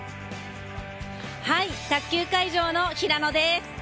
卓球会場の平野です。